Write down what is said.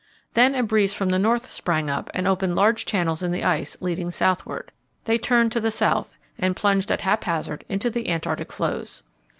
Then a breeze from the north sprang up and opened large channels in the ice, leading southward. They turned to the south, and plunged at haphazard into the Antarctic floes.